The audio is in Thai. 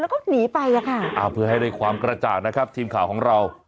แล้วก็หนีไปอ่ะค่ะอ่าเพื่อให้ได้ความกระจ่างนะครับทีมข่าวของเรา